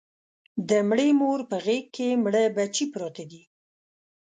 د مړې مور په غېږ کې مړه بچي پراته دي